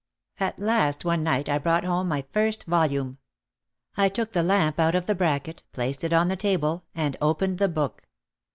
At last one night I brought home my first volume. I took the lamp out of the bracket, placed it on the table, and opened the book.